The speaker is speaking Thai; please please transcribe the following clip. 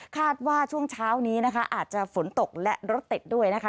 คาดว่าช่วงเช้านี้อาจจะฝนตกและรถเต็ดด้วยนะคะ